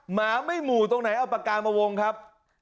หมาไม่หมู่ตรงไหนเอาปากกามาวงครับ